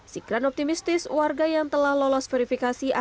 zikran optimistis warga yang telah lolos verifikasi akan diinginkan